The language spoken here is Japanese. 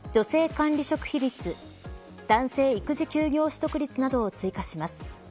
管理職比率男性育児休業取得率などを追加します。